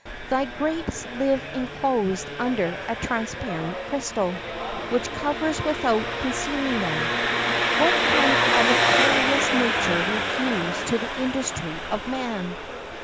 Thy grapes live enclosed under a transparent crystal, which covers without concealing them. "What can avaricious nature refuse to the industry of man?